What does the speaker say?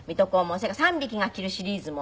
それから『三匹が斬る！』シリーズも。